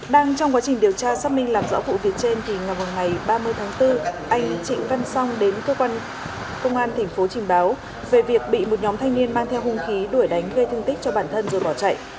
đang trong quá trình điều tra xác minh làm rõ vụ việc trên thì ngày ba mươi tháng bốn anh trịnh văn song đến cơ quan công an tp trình báo về việc bị một nhóm thanh niên mang theo hung khí đuổi đánh gây thương tích cho bản thân rồi bỏ chạy